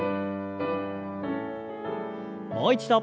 もう一度。